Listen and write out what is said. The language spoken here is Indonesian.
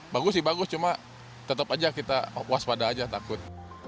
bagus sih bagus cuma tetap aja kita waspada aja takut